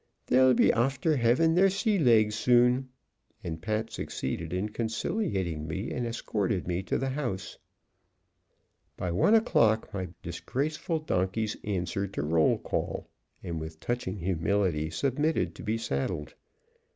They'll be afther havin' their sea legs soon." And Pat succeeded in conciliating me, and escorted me to the house. By one o'clock my disgraceful donkeys answered to roll call, and with touching humility submitted to be saddled.